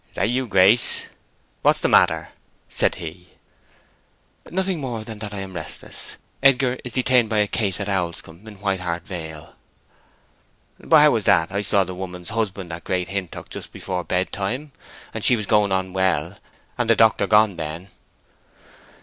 "Is that you, Grace? What's the matter?" he said. "Nothing more than that I am restless. Edgar is detained by a case at Owlscombe in White Hart Vale." "But how's that? I saw the woman's husband at Great Hintock just afore bedtime; and she was going on well, and the doctor gone then."